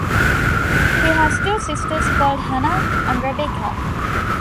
He has two sisters called Hannah and Rebecca.